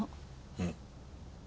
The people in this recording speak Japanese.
うん。